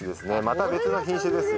また別の品種です。